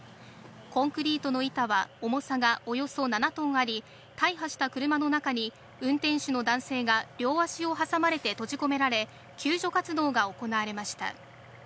コンクリートの板は重さがおよそ７トンあり、大破した車の中に運転手の男性が両端を挟まれて閉じ込められ、救助活動が行われました。